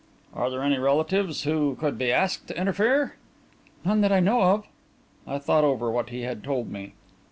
"Are there any relatives who could be asked to interfere?" "None that I know of." I thought over what he had told me.